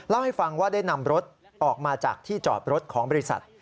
เล่าให้ฟังว่าได้นำรถออกมาจากที่จอดรถของบริษัท